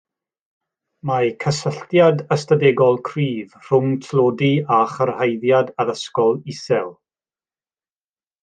Mae cysylltiad ystadegol cryf rhwng tlodi a chyrhaeddiad addysgol isel